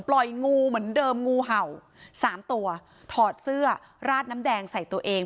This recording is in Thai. งูเหมือนเดิมงูเห่าสามตัวถอดเสื้อราดน้ำแดงใส่ตัวเอง